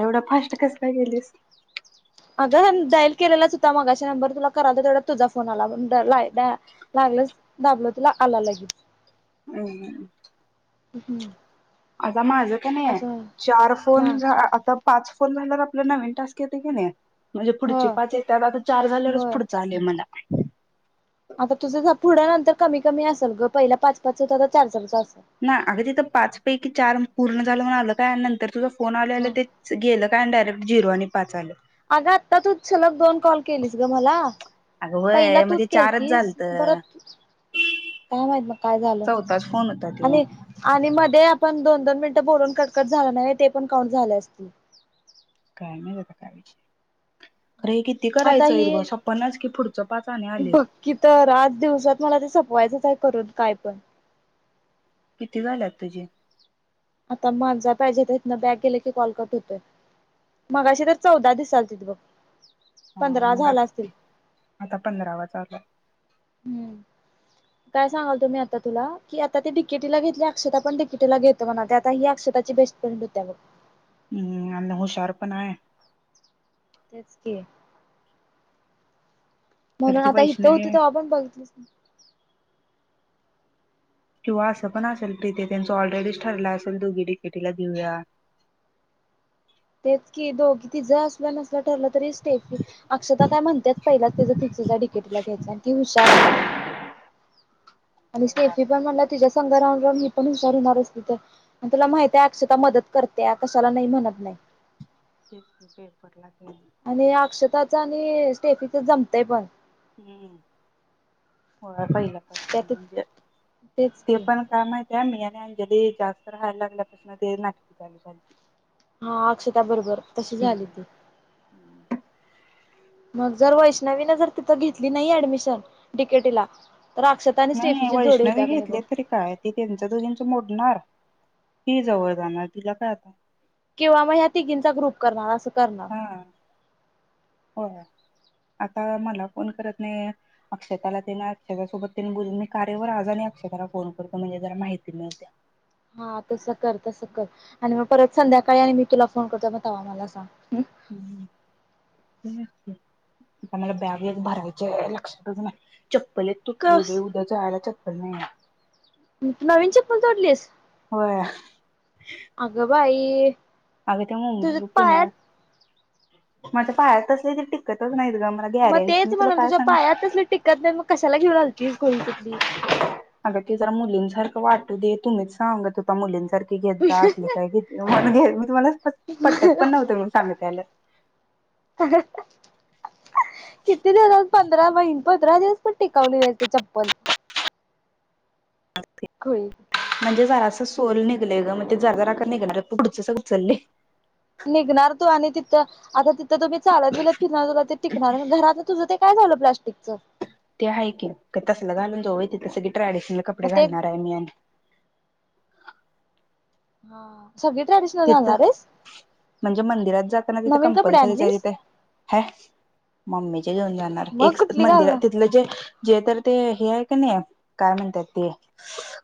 एवढा फास्ट कसला गेलीस अगं डाईल केलेलाच होता मग अा नंबर तुला करा तेवढा तुझा फोन आला ला चांग दाबल तिला आला लागेल हम् हम्म आता माझं का नाही चार फोन हा झा आता पाच फोन झाल्या आपला नवीन टास्क येत घ नाही म्हणजे हो पुढचे पाच येतत आता चार झाल्यावरच होय पुढचा आलंय मला आता तुझं जा पुढं आलतर कमी-कमी असेल ग पहिलया पाच-पाच आता चार-चार अस ना अग तिथं पाच पैकी चार पूर्ण झालं म्हण आलं काय नंतर तुझं? फोन आल्या-आल्या हा तेच गेलं काय अन डायरेक्ट झिरो आणि पाच आलं. अगं आत्ता तूच सलग दोन कॉल केलीस ग मला. अगं पहिला व्हय मग तूच ते चारच केलतीस झालत परत काय माहित मग काय झालं चौथाच फोन होता तो आणि-आणि मध्ये आपण दोन दोन मिनिटं बोलून कट-कट झाला नाही ते पण काउंट झाले असतील. काय माहित आता काय विचे? [inaudible] आता हि छप्पनच की पुढचं पाच आणि आलेत बघक्की तर आज दिवसात मला ते सपवायचं आहे. करून काय पण किती झाल्यात तुझे? आता माझा पाहिजे तिथन बॅक गेले की कॉलकट होतोय. मगाशी तर चौदा दिसालतीत बघ. हा पंधरा मग आत झाला असतील आता पंधरावा चालुये. हम्म. काय सांगाल तुम्ही आता तीला की आता ती डीकीटीला घेतली अक्षता पण डिकिटीला घेते म्हणा ते आता ही अक्ष त्याची बेस्ट फ्रेंड होत्या मी हम्म आणि हुशार पण आहे. तेच की. तर म्हणून ती आता इथं वैष्णवी होती आहे तवा पण बघितलीस ना. किंवा असं पण असंल कि ते त्यांच ऑलरेडीच ठरलं असंल दोघी डिकेटीला घेऊन जा. तेच कि दोघी तीज असलं नसला ठरलं तरी तेच की अक्षता काय म्हणत्या पहिलाच तिच जा डिकेटीला घ्यायच आणि अन ती हुशाराय. आणि स्टेफी पण म्हणा तिच्या पण [unintelligible] [unintelligible] पण तुला माहित्याय अक्षता मदत करत्यात हो तेच की पेपरला तेन आणि अक्षताच आणि स्टेफीच जमतय पण. हम्म हो पहिल्यापासून त्यात म्हणजे तेच ते की पण काय माहित त्या मया आणि अंजली जास्त राहायला लागल्यापासून ते नाटकी चालू झालती. हा अक्षता बरोबर तशी झाली हम्म ती. मग जर वैष्णवीने जर तिथं घेतली नाही ऍडमिशन डीकेटीला नाही वैष्णवी घेतले तरी काय ती त्यांचं दुघींच मोडणार. ती जवळ जाणार तिला काय आता. किंवा मग ह्या तिघींचा ग्रुप करणार असं. करणार हा-हो आता मला फोन करत नाही अक्षताला त्यांना सगळ्यांसोबत त्यान बोलीन मी कार्यावर आज आणि अक्षताला फोन करत म्हणजे जरा माहिती मिळत्या. हा तसं कर -तसं कर आणि मग परत संध्याकाळी आणि मी तुला फोन करतो मग तवा मला सांग. मला बॅग वग भरायच्याय लक्षातच नाही चप्पल एक तुटली बघ कस उद्या जायला चप [unintelligible] म नवीन चप्पल तोडलीस? होय अगं बाई! अग ते तुझ्या मुंबब पायात पुण्यात माझ्या पाया तसले तर टिकतच नाही. मग तेच म्हणाल तुझ्या पायातच टिकत नाही मग कशाला घेऊन आलतीस गोळी कुठली? अग ती जरा मुलीं झार वाटू दे तुम्हीच सांग तु त्या मुलींसारखी घेत जा असली काय घेत घ [unintelligible] [unintelligible] पटत पण नव्हते म्हणून सांगितयाला. किती देला? पंधरा महिन पंधरा दिवस पण टिकावले न ते चप पण खळी कुठली. म्हणजे जरासं सोल निघलेय ग मग ते जागा राख निघणार पुकडच सगळं उचलले. निघणार तू, आणि तिथं आता तिथं तुम्ही चालत विलत फिरणार तुला ते टिकणार घरात तुझं ते काय झालं प्लास्टिक च? ते आहे की का तसलं घालून जाऊ तिथस की ट्रॅडिशनल मग कपडे ते घालणार आहे मी, आणि हा सगळी ट्रॅडिशनल तिथं घालणार आहेस? म्हणजे मंदिरात जाताना तिथे नवीन कपडे कंपल्सरीच आहे. आणलीस तिथे ह, मम्मी ेऊन जा मग कुठली मंदिरा घालणार तिथ जे जे तर ते हे आहे का नाही काय म्हणतात, ते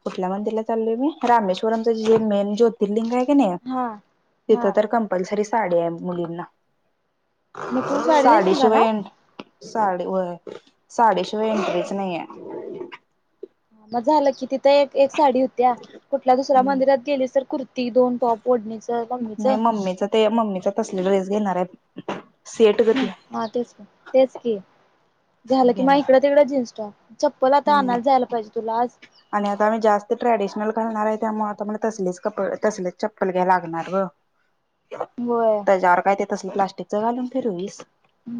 कुठल्या मंदिरला चाललय मी? रामेश्वर जेन जोतिर्लिंग आहे का नाही? हा तिथं हा तर कंपल्सरी साडे आहे मुलींना. मग तू साडी नेसून जाणार? साडीशिवाय साडी वय साडीशिवाय एंट्रीच नाही आहे. म झालं कि तिथ तर एक एक साडी होत्या कुठल्या दुसऱ्या मंदिरात गेली, तर कुर्ती दोन टॉप ओढणीचं लंबीच. म्मी ते म्मीचा तसले ड्रेस आहे सेट ग ते हा तेच तेच की मग झालं की, म घेणार इकड तिकडं जीन्स टॉप. चप्पल आता हम्म, आणायला जायला पाहिजे तुला आज आणि आता आ् जास्त ट्रेडिशनल घालणार आहे, त्यामुळे आता म तसलेच कप तसलेच चप्पल घ्यायला लागणार ग. होय त्याच्यावर काय, ते तस प्लास्टिक च घालून फिरवीस?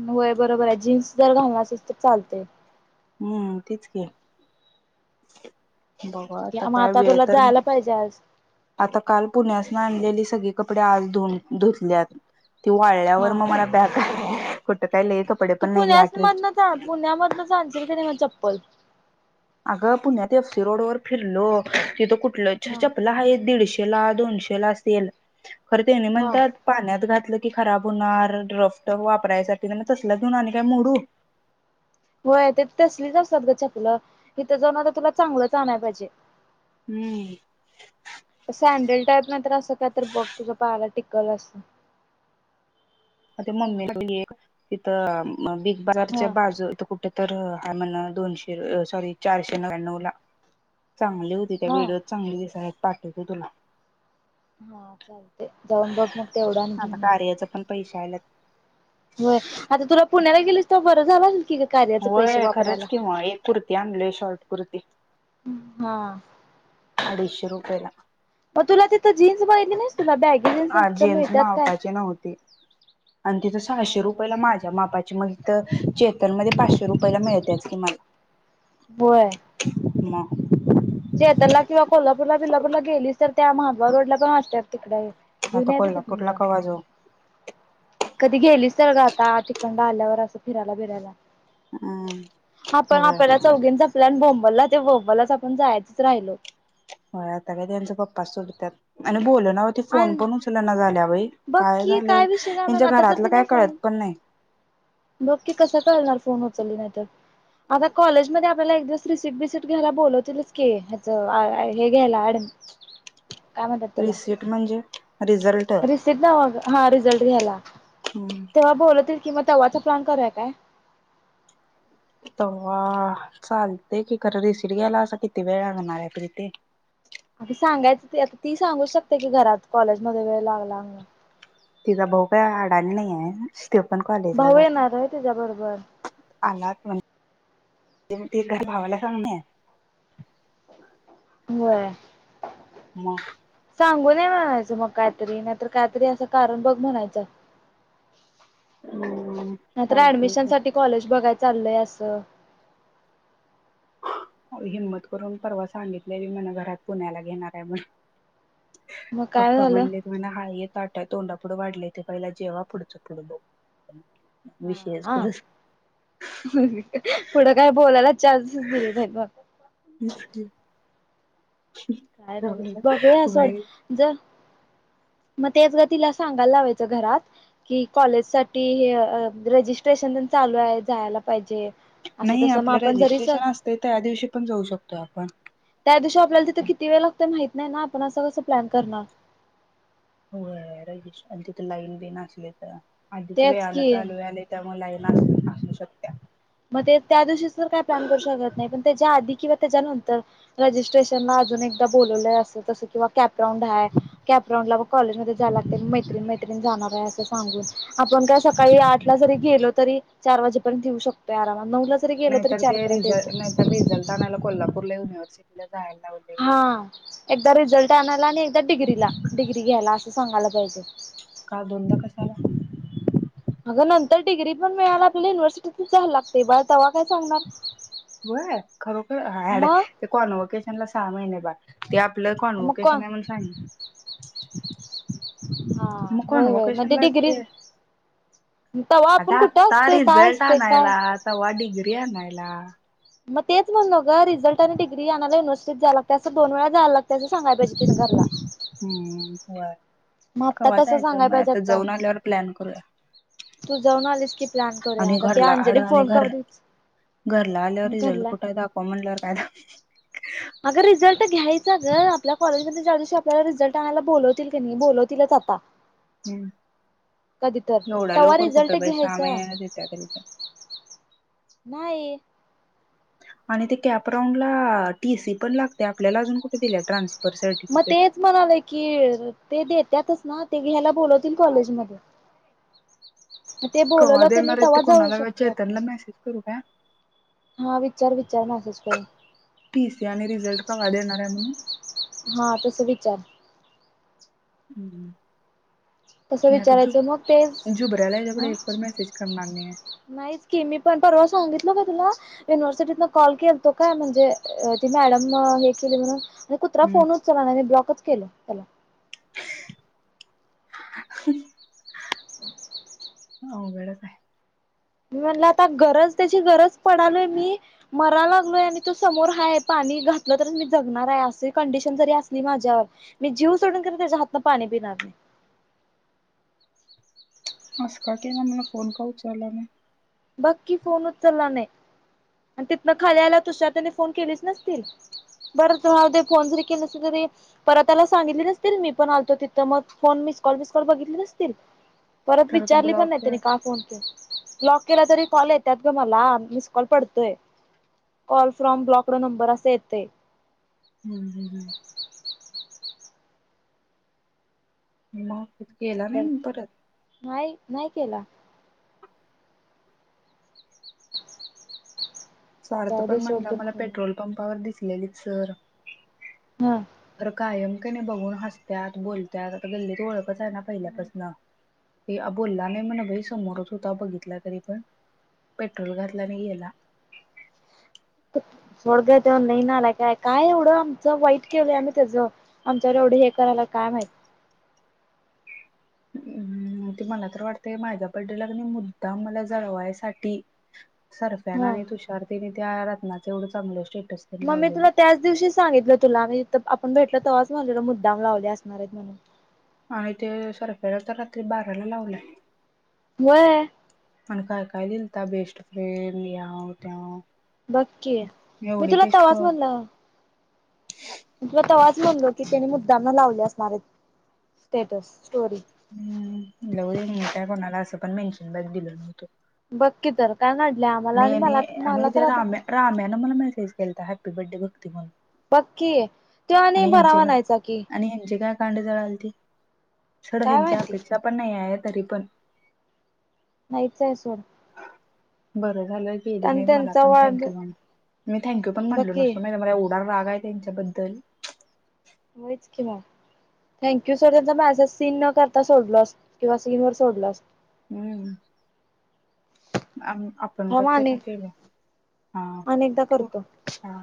ह वय बरोबर आहे. जीन्स जर घालला असेल तर चालते. हम्म तेच की. [unintelligible] बघा आता मग काय वेळ तुला तर, जायला पाहिजे आज आता काल पुण्यास नाही सगळे कपडे धुतल्यात ते वाळल्यावर हा मग त्यावर मला बॅग [unintelligible] कपडे तू पण नाही ह्या पुण्याच ट्रीप मधन पुण्यामधनच आणशील क नाही मग चप्पल. अगं पुण्यात एफसी रोड वर फिरलो तिथं कुठलं हा चपल आहे दीडशे हा [unintelligible] की खराब होणार ड्रफ्ट वापरायसाठी तसला न आणि काय मोडू हो ते तसलीच असतात ग छपलं इथं जाऊन तर तुला चांगलंच आणाय पाहिजे हम्म. टप नाहीत असं काय तर बघ तुझं पाहाला टिकल अस- ते मम्मी तिथं बिग बाजारच्या हा बाजू खूप तर हा म्हण दोनशे सॉरी चारशे नव्याण्णव ला चांगली होती त्या हा व्हिडिओत चांगली दिसाय पाठवतो तुला हा चालते जाऊन बघ मग तेवढा आणि आता घेऊन कार्याचा पण पैसे आल्यात होय आता तुला पुण्याला गेलीस तर बरं झाला होय खरंच किंवा एक कुर्ती आणली आहे शॉर्ट कुर्ती हा. अडीचशे रुपये जेन्स मापाची नव्हती [unintelligible] आणि तिथं काय सहाशे रुपयाला नव्हच माझ्या मापाची मग तर चेतन मध्ये पाचशे रुपयाला मिळतच की मला होय मग चैतनला किंवा कोल्हापूरला बी आता कोल्हापूरला [inaudible] कवा जाऊ कधी गेलीच तर ग आता तिखंड आल्यावर असं फिरायला बिरायला हम्म आपण होय आपल्याला चौघीचा आपल्यान बोम्बरलाच ते व्बलाच आपण जायचच राहिल हो आता काय त्यांचा पप्पा सुटतात आणि बोललं ना त फोन आणि पण उचल ना झाल्या बघ काय की झाले विषय काय त्यांच्या घरातलं काय कळत पण नाही बघ‌की कसा करणार फोन उचलली नाही तर आता कॉलेज मध्ये आपल्याला एक दिवस रिसिट बिसिट घ्यायला बोलवतीलच की ह्याचं आ हे घ्यायला अ‍ॅड [unintelligible] रिसीट म्हणजे रिझल्ट? रिसिट नव्हं ग हां रिझल्ट घ्यायला, तेव्हा बोलवतील की मग तेव्हाचा प्लान करुया‌काय? व्ह चालते की, [unintelligible] रिसिट घ्यायला असा किती वेळ लागणार आहे? अगं सांगायचं ती सांगू शकते की घरात, कॉलेज मध्ये वेळ लागला म्हणून. तिचा भाऊ भाऊ येणार आहे तिच्या बरोबर आलात पण, ते ते काय भावाला सांग ना. होय मग सांगून ये म्हणायचं, मग काहीतरी, नाहीतर काहीतरी असं कारण बघ म्हणायचं. हम्म नाही तर चालतय ऍडमिशन की साठी कॉलेज बघाय चाललंय असं. हो हिंमत करून परवा सांगितलेलं म्हणा घरात, पुण्याला घेणार आहे म्हणून. मग काय पप्पा झालं म्हणलेत म्हणा, हळू ये ताटत. तोंडा पुुढं वाढले ते पहिलं जेवा, पुढचं पुढ बघू. हं विषयच हां कुठं पुढं काय बोलायलाच [inaudible] काय झालं? बघूया सोड, चल. मगं त्याच गं तीला, सांगायला लावायचं घरात? ही कॉलेजसाठी, हे अ रजिस्ट्रेशन अन चालू आहे, जायला पाहिजे. असं नाही तसं मग आपलं आपण जरी रजिस्ट्रेशन असतय, त्यादिवशी पण जाऊ शकतो आपण. त्या दिवशी आपल्याला तिथं किती वेळ लागतो माहित नाही ना, आपण असं कसं प्लॅन करणार. होय रजिस्ट्रेशन तिथं लाईन बीन असली तर. आधीच तेच वेळानं की चालू झाले, त्यामुळे लाईन असू शकत्या. म ते त्यादिवशी सर काय प्लान करू शकत नायं, पण त्याच्या आधी किंवा त्याच्यानंतर रजिस्ट्रेशनात अजून एकदा बोलवलं असं तसं किंवा कॅपराऊंड हाय. कॅपराऊंडला मग काॅलेजमध्ये जायला लागतं मैत्रिणी मैत्रिण ण जाणार आहे असं सांगून, आपण काय सकाळी आठला जरी गेलो तरी, चार वाजेपर्यंत येऊ शक नाहीतर ते रिझल्ट, नाहीतर रिझल्ट आणायला कोल्हापूरला युनिव्हर्सिटी हां एकदा रिझल्ट ते आणला आणि एकदा डिग्रीला, डिग्री घ्यायला असं सांगाला पाहिजे. का दोनदा कशाला? अगं नंतर डिग्री पण मिळायला आपल्या युनिव्हर्सिटीतच जायला लागतंय, बाय तवा काय सांगणार? व्हय खरोखर हे हाड, मग ते काॅन्होकेशनला सहा महिने बाकी, ते आप आपलं मग कोण काॅन्होकेशन आहे म्हणून सांग हा म होय होय म्हणजे कोन्होकेशनलाच डिग्री गे तवा आता आपण कुठं आत्ता असते काय रिझल्ट असते काय आणायला, तवा डिग्री आणायला. मग तेच म्हणलो ग, रिझल्ट आणि डिग्री आणयला युनिव्हर्सिटीत जायला लागतं, असं दोन वेळा जायला लाग तसं सांगायला पाहिजे, तिन घरला. मग आत्ता कंवा तसं जायचं सांगाय मे? पाहिजे आता जाऊन आल्यावर प्लॅन करूया. तू जाऊन आलीस की प्लॅन करूया आणि आता ते घरला आड अंजली आणि फोन घर करूच घरला आल्यावर रिझल्ट घरला कुठयं दाखव म्हणल्यावर काय दाख अगं रिझल्ट घ्यायचा ग आपल्या कॉलेजमध्ये ज्या दिवशी आपल्याला रिझल्ट आणायला बोलवतील की नही, बोलवतीलच आता हम्म कधी तर, एवढ्या तवा लवकर कुठं रिझल्टच बाई सहा घ्यायचा महिन्यानच येत्या तरी पण न्हाई आणि ते कॅपराऊंडला टी सी पण लागते आपल्याला, अजून कुठे दिलेयं ट्रान्स मग तेच म्हणालोय की, ते देत्यातच ना? ते घ्यायला बोलवतील कॉलेजमध्ये मग ते कवां बोलवलं क नाही देणार आहेत ते, तेव्हा जाऊ कोणाला शकतो [unintelligible] आपण त्यांना मेसेज करू का? हा विचार विचार मेसेज कर टी सी आणि रिझल्ट कवा देणार ये म्हणून हा तसं विचार [inaudible] हम्म तसं मी आता झु विचारायचं मग तेच झुब्राला एवढे ह एक पण मॅसेज करणार नाय ये. नाहीच की मी पण परवा सांगितलो का तुला युनिव्हर्सिटीतन कॉल केलतो का म्हणजे ती मॅडम हे केली म्हणून कुत्रा हम्म फोनच उचला नाय ब्लॉकच केलं त्याला [inaudible] हो वेडचं हाय मी म्हणलं आता गरज त्याची गरज पडालोय मी मरा लागलोय आणि तो समोर हाय पाणी मी घातलं तर मी जगणार आहे अस कंडिशन जरी असली माझ्यात मी जीव सोडीन कधी त्याज्या हातण पानी पि [unintelligible] असं का केला मला फोन का उचलला नायं. बगं की फोन उचलला नायं. आणि तिथन खाली आल्यावर तुशार त्याने फोन केलेच नसतील. बर रावदे दे फोन जरी केल नसलं तरी परवा त्याला सांगितल नाहीस मी पण आलतो तिथं मग फोन मी मिस कॉल बिस कॉल बघितले नसतील परत खरं तर विचारलं पण नाई ब्लॉक त्यानी आहे. का फोन के ब्लॉक केला तरी कॉल येत्यात ग मला मिसकॉल पडतोय. कॉल फ्रॉम ब्लॉकड नंबर अस येतयं. हम्म हम्म हम्म म काय करत न्हाही न्हाय केला. सार्थ जाऊ दे पण सोड म्हणला मला दुःख पेट्रोल पंपावर दिसलेलीत सर हा तर कायम का नायं बघून हसत्याात बोलत्यात आता गल्लीत ओळख आहे ना पहिल्यापासन ते बोलला नाही म्हणा भाई समोरच होता बघितला तरी पण पेट्रोल घातला नाही गेला [unintelligible] सोड ग त्यो लय नालायकाय काय एवढं आमचं वाईट केवलंय आम्ही त्याच आमच्यावर एवढं हे. कराला काय माह. हम्. ते मला तर वाटतय माझ्या बड्डेलाग नाही मुद्दाम मला जळवायसाठी सरफॅन हा आणि तुषारतीने त्या रत्नाचं एवढं चांगलं स्टेप मग मी तुला त्याच दिवशी सांगितलं तुला म आपण भेटल तेव्हाच म्हलेल मुद् डम लावले असणार आहेत म्हणून आणि ते सरफेला तर रात्री बाराला लावलं. वय. पण काय काय दिलता बेस्ट फ्रेंड या त्या बक्की मी तुला तवाच म्हणला. तुला तवाच बोललो की त्यानी मुद्दांना लावले असणारे स्टेटस स्टोरी हम् ल दे मी काय कोणाला असं पण मेन्शन ब दिल नव्हतं. बकीकी तरफ आणि आणि त्या राम राम्याने मला मेसेज केलाता हॅपी बर््डे भकती म्हणून ककी ते्हा आणि भरावा नयचा कि आणि ह्यांची काय कांड जळाल त सड काय हंची माहिती अपेक्षा पण नाही आहे तरी पण नाहीच आहे सड बर झालं गेली आणि म मला त्यांचा पण वाढ थँक्यू मी थँक्यू पण बघ म्हणलो की नसतो मला रागा आहे त्यांच्याबद्दल होयच किंवा थँक्यू सर त्यांचा मॅसेज सीन न करता सोडलस किंवा स्क्रीन वर सोडलस. हम्म आम. आपण तर थांब ते आणि केलं हा अनेकदा ठ करतो. हा.